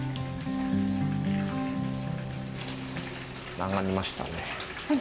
揚がりましたね。